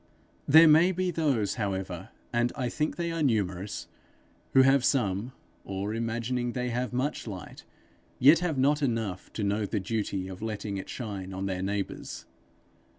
There may be those, however, and I think they are numerous, who, having some, or imagining they have much light, yet have not enough to know the duty of letting it shine on their neighbours.